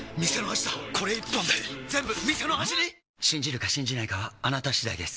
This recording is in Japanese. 信じるか信じないかはあなた次第です